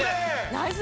ナイス！